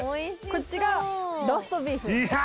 こっちがローストビーフ。